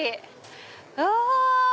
うわ！